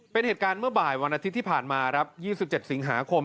เป็นเหตุการณ์เมื่อบ่ายวันอาทิตย์ที่ผ่านมาครับ๒๗สิงหาคม